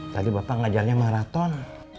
tadi bapak ngajarnya maraton